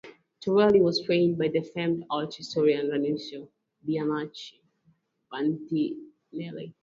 Torelli was trained by the famed art historian Ranuccio Bianchi Bandinelli.